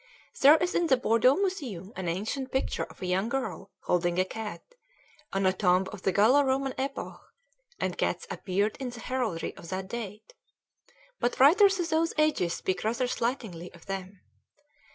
There is in the Bordeaux Museum an ancient picture of a young girl holding a cat, on a tomb of the Gallo Roman Epoch, and cats appeared in the heraldry of that date; but writers of those ages speak rather slightingly of them.